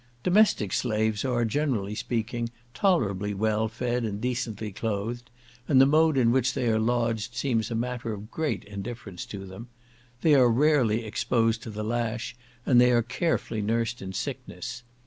Domestic slaves are, generally speaking, tolerably well fed, and decently clothed; and the mode in which they are lodged seems a matter of great indifference to them. They are rarely exposed to the lash, and they are carefully nursed in sickness.